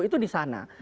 itu di sana